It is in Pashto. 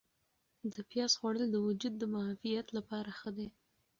د پیاز خوړل د وجود د معافیت لپاره ښه دي.